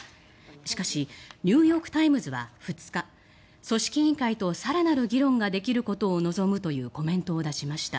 しかしニューヨーク・タイムズは２日組織委員会と更なる議論ができることを望むというコメントを出しました。